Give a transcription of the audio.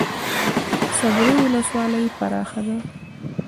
صبریو ولسوالۍ پراخه ده؟